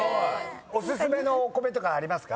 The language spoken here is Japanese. お薦めのお米とかありますか？